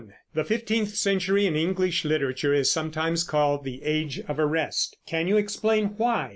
The fifteenth century in English literature is sometimes called "the age of arrest." Can you explain why?